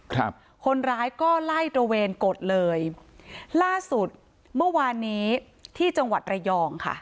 ครับคนร้ายก็ไล่ตระเวนกดเลยล่าสุดเมื่อวานนี้ที่จังหวัดระยองค่ะ